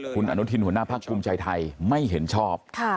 คุณอนุทินหัวหน้าพักภูมิใจไทยไม่เห็นชอบ